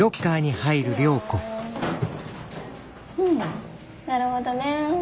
うんなるほどね。